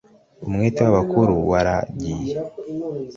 Umwete w'abakuru waragiye